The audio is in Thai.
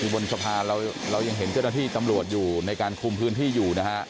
บนสะพานเรายังเห็นเจ้าหน้าที่ตำรวจอยู่ในการคุมพื้นที่อยู่นะฮะ